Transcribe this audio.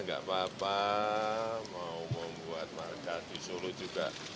enggak apa apa mau membuat markas di solo juga